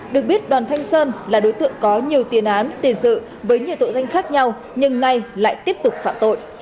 được biết đoàn thanh sơn là đối tượng có nhiều tiền án tiền sự với nhiều tội danh khác nhau nhưng nay lại tiếp tục phạm tội